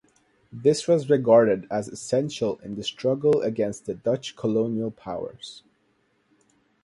This was regarded as essential in the struggle against the Dutch colonial powers.